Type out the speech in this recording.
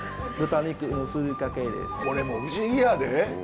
これも不思議やで。